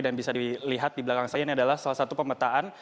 dan bisa dilihat di belakang saya ini adalah salah satu pemetaan